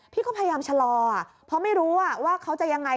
พี่ก็พยายามชะลอเพราะไม่รู้ว่าเขาจะยังไง